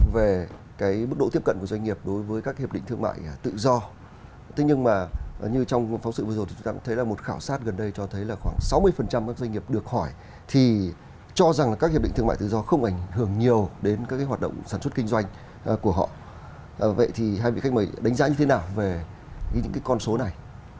vậy thì hai vị khách mời đánh giá như thế nào về những con số này